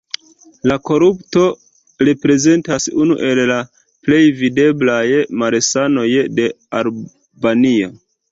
La korupto reprezentas unu el la plej videblaj malsanoj de Albanio.